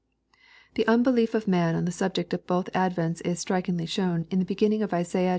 1 The unbelief of man on the subject of both advents is strikingly /abown in the beginning of Isaiah liii.